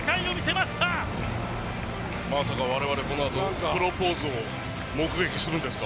まさか我々、このあとプロポーズを目撃するんですか？